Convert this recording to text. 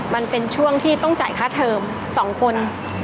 มันเป็นช่วงที่ต้องจ่ายค่าเทิม๒คน